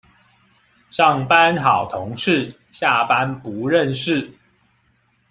上班好同事，下班不認識